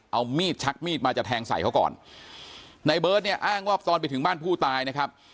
เอามีดชักมีดมาจะแทงใส่เขาก่อนในเบิร์ตเนี่ยอ้างว่าตอนไปถึงบ้านผู้ตายนะครับ